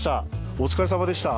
お疲れさまでした。